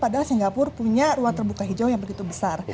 padahal singapura punya ruang terbuka hijau yang begitu besar